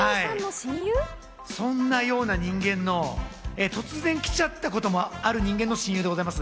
そんなような人間の、突然来ちゃったこともある人間の親友でございます。